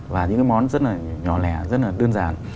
và những cái món rất là nhỏ lẻ rất là đơn giản